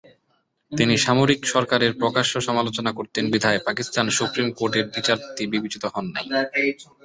তিনি সামরিক সরকারের প্রকাশ্য সমালোচনা করতেন বিধায় পাকিস্তান সুপ্রীম কোর্টের বিচারপতি বিবেচিত হন নাই।